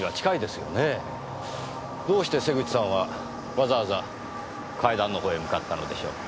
どうして瀬口さんはわざわざ階段のほうへ向かったのでしょう？